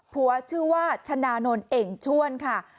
ชื่อว่าชนะนนท์เอ่งชวนค่ะ